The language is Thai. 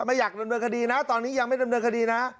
ไม่อยากดำเนินคดีนะตอนนี้ยังไม่ดำเนินคดีนะ